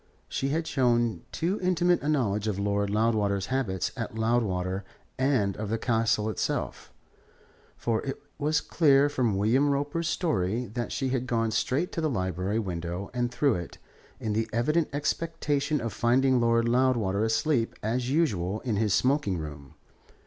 She had shown too intimate a knowledge of Lord Loudwater's habits at Loudwater and of the Castle itself, for it was clear from William Roper's story that she had gone straight to the library window and through it, in the evident expectation of finding Lord Loudwater asleep as usual in his smoking room.